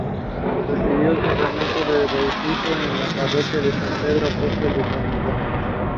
It hosted sporting events including college football and Minor League Baseball.